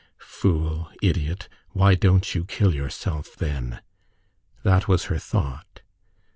. "Fool, idiot, why don't you kill yourself, then?" that was her thought.